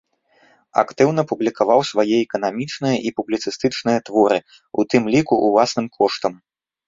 Актыўна публікаваў свае эканамічныя і публіцыстычныя творы, у тым ліку ўласным коштам.